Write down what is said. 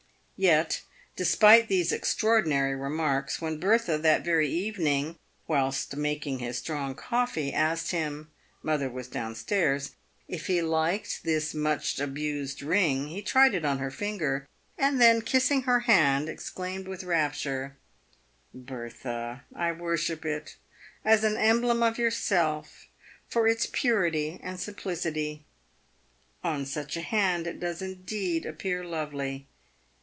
Tet, despite these extraordinary remarks, when Bertha, that very evening, whilst making his strong coffee, asked him (mother was down stairs) if he liked this much abused ring, he tried it on her finger, and, then kissing her hand, exclaimed, with rapture, " Bertha, I wor ship it, as an emblem of yourself, for its purity and simplicity. On such a hand, it does indeed appear lovely."